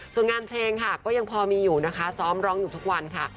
ส่วนงานเพลงค่ะก็ยังพอมีอยู่นะคะซ้อมร้องอยู่ทุกวันค่ะ